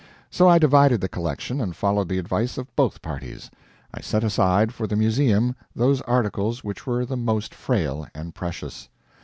So I divided the collection, and followed the advice of both parties. I set aside, for the Museum, those articles which were the most frail and precious.